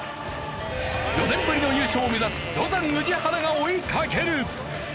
４年ぶりの優勝を目指すロザン宇治原が追いかける。